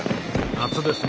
夏ですな。